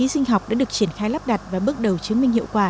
sinh học đã được triển khai lắp đặt và bước đầu chứng minh hiệu quả